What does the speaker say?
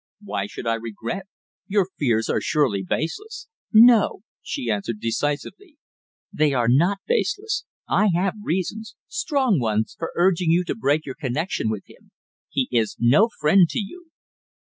"Why should I regret? Your fears are surely baseless." "No," she answered decisively. "They are not baseless. I have reasons strong ones for urging you to break your connexion with him. He is no friend to you."